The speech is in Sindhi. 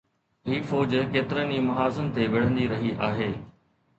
هي فوج ڪيترن ئي محاذن تي وڙهندي رهي آهي.